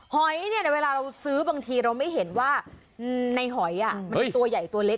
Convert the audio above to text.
หอยเนี่ยเวลาเราซื้อบางทีเราไม่เห็นว่าในหอยมันเป็นตัวใหญ่ตัวเล็ก